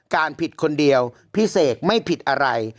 ผิดคนเดียวพี่เสกไม่ผิดอะไร